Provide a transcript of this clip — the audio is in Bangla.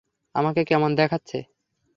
আমাকে কেমন দেখাচ্ছে?